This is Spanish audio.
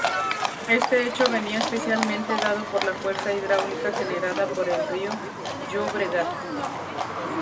Este hecho venía especialmente dado por la fuerza hidráulica generada por el río Llobregat.